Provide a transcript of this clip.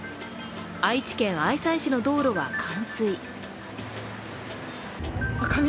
愛知県愛西市の道路は冠水。